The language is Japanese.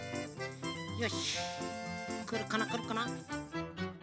よしくるかなくるかな。